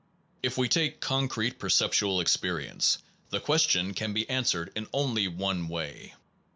If we take concrete perceptual experience, the question can be answered in only one way.